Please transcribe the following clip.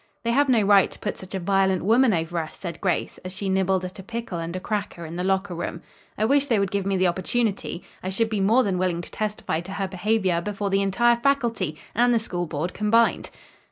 "They have no right to put such a violent woman over us," said Grace, as she nibbled at a pickle and a cracker in the locker room. "I wish they would give me the opportunity. I should be more than willing to testify to her behavior before the entire faculty and the school board combined."